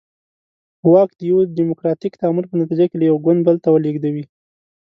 واک د یوه ډیموکراتیک تعامل په نتیجه کې له یو ګوند بل ته ولېږدوي.